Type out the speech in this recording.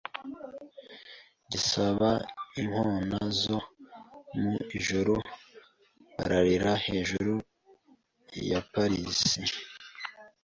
gisaba inkona zo mu ijuru bararira hejuru ya Paris